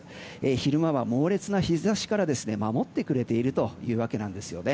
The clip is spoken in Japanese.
昼間は猛烈な日差しから守ってくれているというわけです。